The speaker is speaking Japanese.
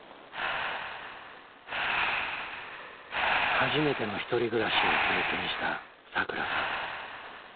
初めての１人暮らしを経験したさくらさん。